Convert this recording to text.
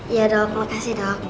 iya dok makasih dok